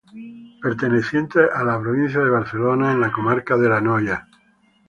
Perteneciente a la provincia de Barcelona, en la comarca de La Noya.